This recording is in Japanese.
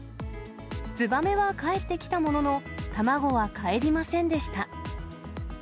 ツバメは帰ってきたものの、卵はかえりませんでした。